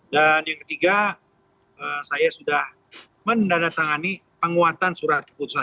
dan yang ketiga saya sudah mendandatangani penguatan surat keputusan